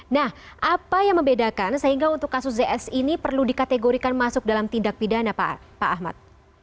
nah apa yang membedakan sehingga untuk kasus zs ini perlu dikategorikan masuk dalam tindak pidana pak ahmad